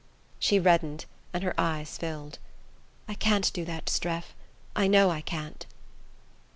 She reddened and her eyes filled. "I can't do that, Streff I know I can't!"